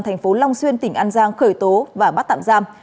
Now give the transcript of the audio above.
tp long xuyên tỉnh an giang khởi tố và bắt tạm giam